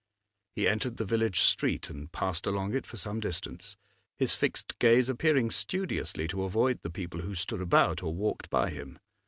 He entered the village street and passed along it for some distance, his fixed gaze appearing studiously to avoid the people who stood about or walked by him.